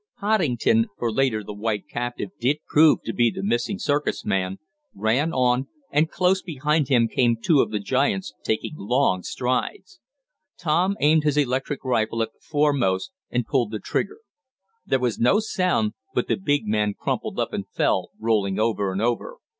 Poddington (for later the white captive did prove to be the missing circus man) ran on, and close behind him came two of the giants, taking long strides. Tom aimed his electric rifle at the foremost and pulled the trigger. There was no sound, but the big man crumpled up and fell, rolling over and over.